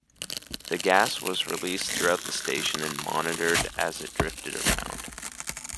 The gas was released throughout the station, and monitored as it drifted around.